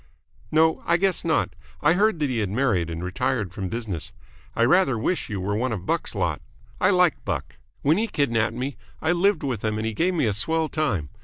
"No, I guess not. I heard that he had married and retired from business. I rather wish you were one of Buck's lot. I like Buck. When he kidnapped me, I lived with him and he gave me a swell time.